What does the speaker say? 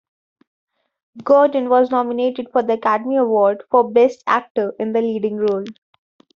Gordon was nominated for the Academy Award for Best Actor in a Leading Role.